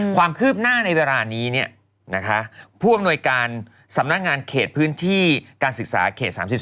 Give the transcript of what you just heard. ความคืบหน้าในเวลานี้ผู้อำนวยการสำนักงานเขตพื้นที่การศึกษาเขต๓๔